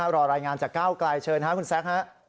รอรายงานจากก้าวกลายเชิญค่ะคุณแซ็ค